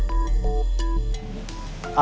atau justru rina anak saya